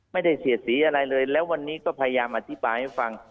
เสียดสีอะไรเลยแล้ววันนี้ก็พยายามอธิบายให้ฟัง